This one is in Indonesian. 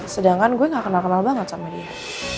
sedangkan gue gak kenal kenal banget sama dia